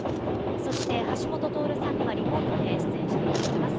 そして、橋下徹さんにはリモートで出演していただきます。